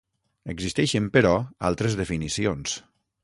Existeixen, però, altres definicions.